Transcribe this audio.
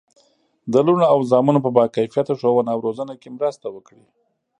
د لوڼو او زامنو په باکیفیته ښوونه او روزنه کې مرسته وکړي.